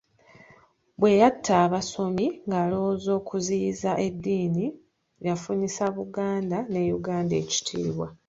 Bwe yatta abasomi ng'alowooza okuziyiza eddiini yafunyisa Buganda ne Uganda ekitiibwa.